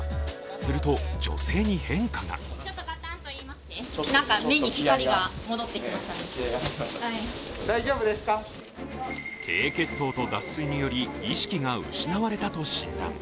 すると女性に変化が低血糖と脱水により意識が失われたと診断。